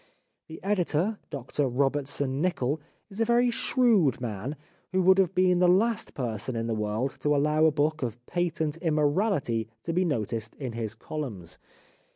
The editor, Dr Robertson Nicoll, is a very shrewd man, who would have been the last person in the world to allow a book of patent immorality to be noticed in his columns.